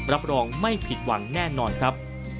รับรองไม่ผิดหวังแน่นอนครับ